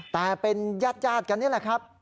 แต่เป็นญาติกันนี่แหละครับ